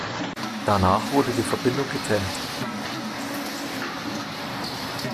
Danach wurde die Verbindung getrennt.